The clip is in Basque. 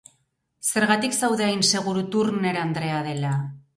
Zergatik zaude hain seguru Turner andrea dela?